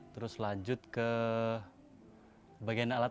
terus lanjut ke bagian alat